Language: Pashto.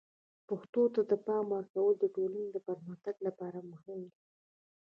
پښتو ته د پام ورکول د ټولنې د پرمختګ لپاره مهم دي.